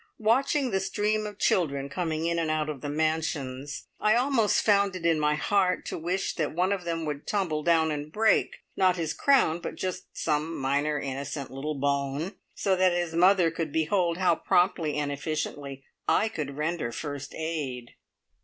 Watching the stream of children coming in and out of the "Mansions," I almost found it in my heart to wish that one of them would tumble down and break, not his crown, but just some minor, innocent, little bone, so that his mother could behold how promptly and efficiently I could render first aid!